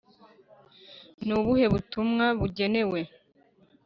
ni ubuhe butumwa bugenewe?